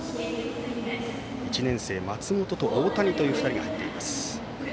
１年生、松本、大谷という２人が入っています。